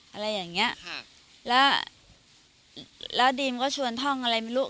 อะไรอย่างเนี่ยแล้วดีมก็ชวนท่องอะไรไม่รู้